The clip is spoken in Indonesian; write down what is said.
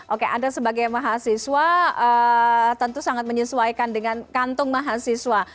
oke anda sebagai mahasiswa tentu sangat menyesuaikan dengan kantung mahasiswa